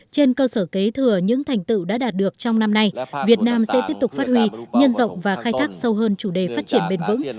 trên cơ sở kế thừa những thành tựu đã đạt được trong năm nay việt nam sẽ tiếp tục phát huy nhân rộng và khai thác sâu hơn chủ đề phát triển bền vững